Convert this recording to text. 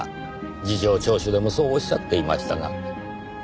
事情聴取でもそうおっしゃっていましたが。